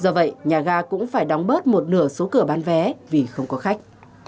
do vậy nhà ga cũng phải đóng bớt một nửa số cửa bán vé vì không có khách